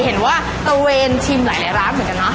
เห็นว่าตะเวนชิมหลายร้านเหมือนกันเนาะ